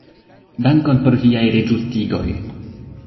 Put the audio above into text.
Dankon por viaj reĝustigoj.